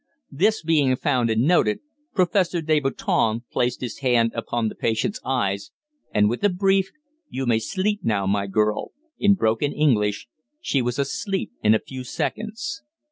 This being found and noted, Professor Deboutin placed his hand upon the patient's eyes, and with a brief "You may sleep now, my girl," in broken English, she was asleep in a few seconds.